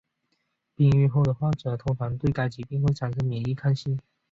病愈后的患者通常对该疾病会产生免疫抗性。